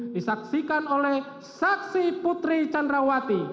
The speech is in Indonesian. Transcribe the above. disaksikan oleh saksi putri candrawati